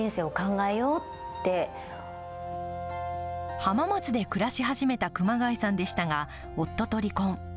浜松で暮らし始めた熊谷さんでしたが、夫と離婚。